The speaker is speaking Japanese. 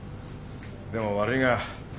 でも悪いが